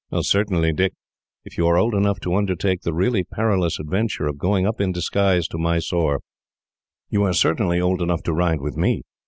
"Certainly, Dick. If you are old enough to undertake the really perilous adventure of going up in disguise to Mysore, you are certainly old enough to ride with me.